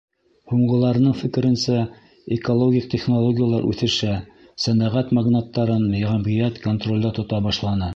Һуңғыларының фекеренсә, экологик технологиялар үҫешә, сәнәғәт магнаттарын йәмғиәт контролдә тота башланы.